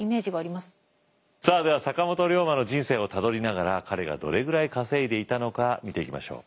さあでは坂本龍馬の人生をたどりながら彼がどれぐらい稼いでいたのか見ていきましょう。